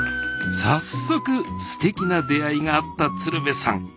早速すてきな出会いがあった鶴瓶さん。